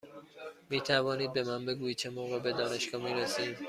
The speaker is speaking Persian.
می توانید به من بگویید چه موقع به دانشگاه می رسیم؟